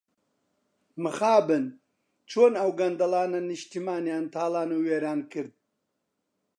مخابن چۆن ئەو گەندەڵانە نیشتمانیان تاڵان و وێران کرد.